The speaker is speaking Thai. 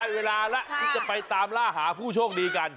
เวลาแล้วที่จะไปตามล่าหาผู้โชคดีกัน